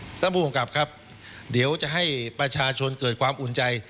ท่านผู้กำกับครับเดี๋ยวจะให้ประชาชนเกิดความอุ่นใจ